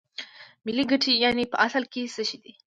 ملي ګټې یانې په اصل کې څه شی دي